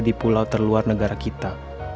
di pulau terluar negara kita